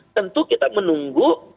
tentu kita menunggu